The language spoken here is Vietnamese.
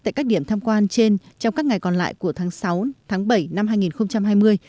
tại các điểm tham quan trên trong các ngày còn lại của tháng sáu tháng bảy năm hai nghìn hai mươi